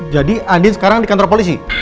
jadi andien sekarang di kantor polisi